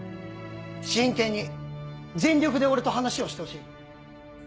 真剣に全力で俺と話をしてほしい。